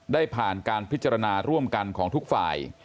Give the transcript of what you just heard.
ได้ผ่านการพิจารณาร่วมกันของทุกฝ่าย